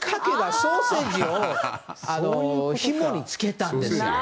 ソーセージをひもにつけてあるんですよ。